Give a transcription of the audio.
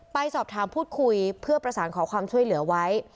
ไปสอบถามพูดคุยเพื่อประสานขอความช่วยเหลือไว้